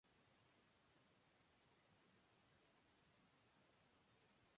puedes verificar su integridad manualmente